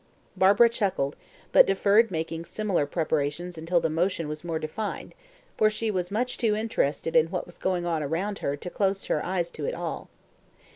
Barbara chuckled, but deferred making similar preparations until the motion was more defined, for she was much too interested in what was going on around her to close her eyes to it all.